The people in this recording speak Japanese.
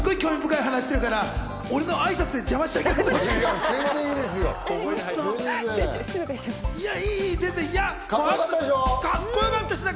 興味深い話してたから、俺の挨拶で邪魔しちゃったかな。